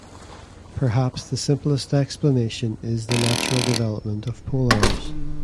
Perhaps the simplest explanation is the natural development of polearms.